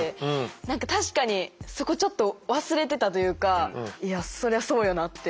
何か確かにそこちょっと忘れてたというかいやそりゃそうよなって。